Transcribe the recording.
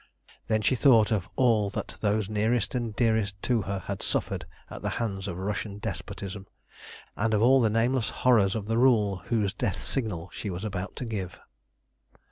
Then she thought of all that those nearest and dearest to her had suffered at the hands of Russian despotism, and of all the nameless horrors of the rule whose death signal she was about to give.